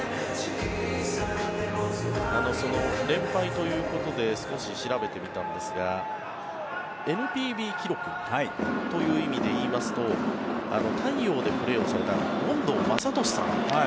連敗ということで少し調べてみたんですがＮＰＢ記録という意味で言いますと大洋でプレーされた権藤さん。